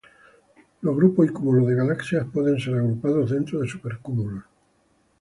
Los grupos y cúmulos de galaxias pueden ser agrupados dentro de supercúmulos.